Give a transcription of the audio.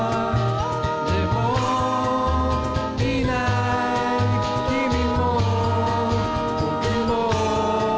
「でもいない君も僕も」